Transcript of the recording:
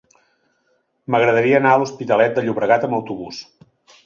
M'agradaria anar a l'Hospitalet de Llobregat amb autobús.